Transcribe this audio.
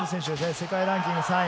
世界ランキング３位。